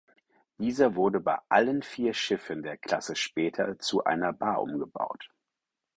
Dieser wurde bei allen vier Schiffen der Klasse später zu einer Bar umgebaut.